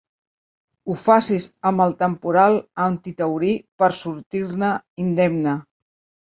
Ho facis amb el temporal antitaurí per sortir-ne indemne.